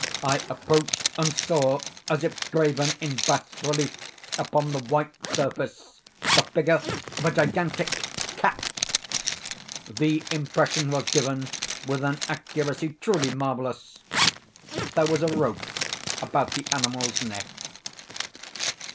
I approached and saw, as if graven in bas relief upon the white surface, the figure of a gigantic cat. The impression was given with an accuracy truly marvellous. There was a rope about the animal's neck.